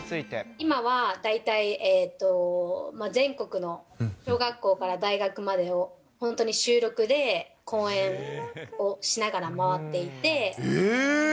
今は大体、全国の小学校から大学までを本当に週６で講演をしながら回っていえー？